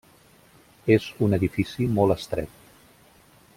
És un edifici molt estret.